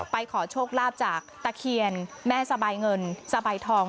ไปขอโชคลาบจากตะเคียนแม่สะใบเงินสะใบทอง